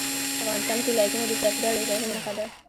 افغانستان کې ولایتونه د چاپېریال د تغیر نښه ده.